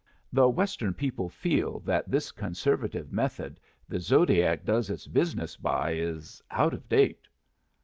The Western people feel that this conservative method the Zodiac does its business by is out of date."